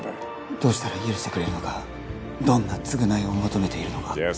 どうしたら許してくれるのかどんな償いを求めているのかじゃあ